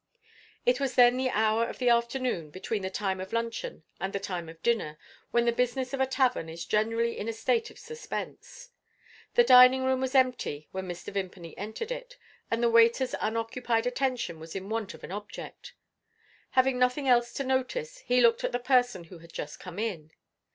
It was then the hour of the afternoon, between the time of luncheon and the time of dinner, when the business of a tavern is generally in a state of suspense. The dining room was empty when Mr. Vimpany entered it: and the waiter's unoccupied attention was in want of an object. Having nothing else to notice, he looked at the person who had just come in.